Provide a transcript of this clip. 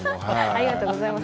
ありがとうございます。